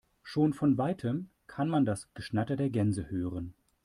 Schon von weitem kann man das Geschnatter der Gänse hören.